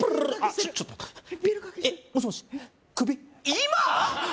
今！？